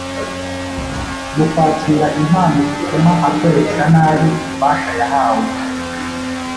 Mu kwakira impano zituma akoresha nabi ububasha yahawe,